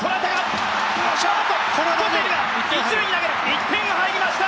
１点は入りました！